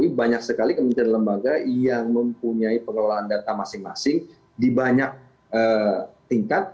tapi banyak sekali kementerian lembaga yang mempunyai pengelolaan data masing masing di banyak tingkat